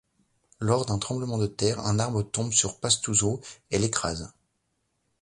Lors d'un tremblement de terre, un arbre tombe sur Pastuzo et l'écrase.